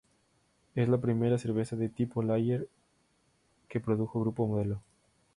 Es la primera cerveza de tipo Light lager que produjo Grupo Modelo.